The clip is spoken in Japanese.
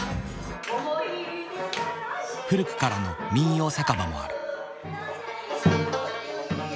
古くからの民謡酒場もある。